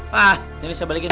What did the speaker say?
pak jangan saya balikin